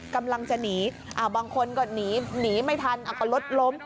กำลังจะหนีบางคนก็หนีไม่ทันก็รถล้ม